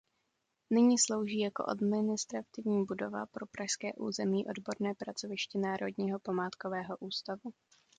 Nyní slouží jako administrativní budova pro pražské územní odborné pracoviště Národního památkového ústavu.